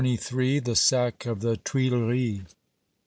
THE SACK OF THE TUILERIES.